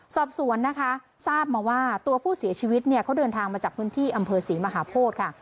สอบสวนนะคะทราบมาว่าตัวผู้เสียชีวิตเนี่ยเขาเดินทางมาจากพื้นที่อำเภอศรีมหาโพธิค่ะ